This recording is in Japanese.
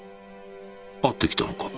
会ってきたのか？